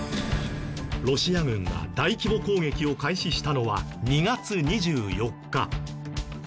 ロシア軍が大規模攻撃を開始したのは２月２４日。